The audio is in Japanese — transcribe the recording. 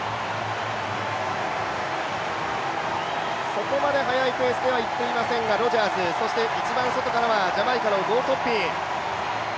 そこまで速いペースでは行っていませんがロジャース、そして一番外からはジャマイカのゴウルトッピン。